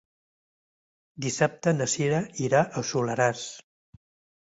Dissabte na Cira irà al Soleràs.